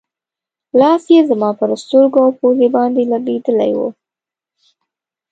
لاس یې زما پر سترګو او پوزې باندې لګېدلی و.